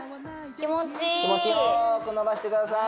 気持ちいい気持ちよーく伸ばしてください